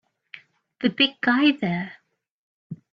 The big guy there!